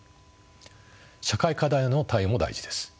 社会課題への対応も大事です。